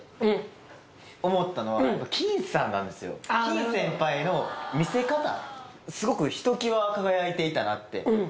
金先輩の見せ方すごくひときわ輝いていたなって